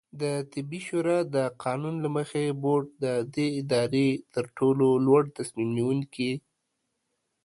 دطبي شورا د قانون له مخې، بورډ د دې ادارې ترټولو لوړتصمیم نیونکې